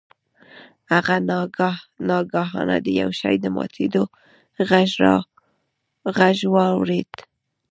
هغه ناگهانه د یو شي د ماتیدو غږ واورید.